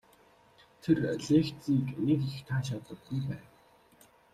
Тэр лекцийг нэг их таашаадаггүй байв.